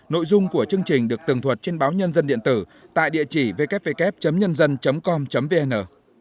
nội dung của chương trình được tường thuật trên báo nhân dân điện tử tại địa chỉ wwww nhândân com vn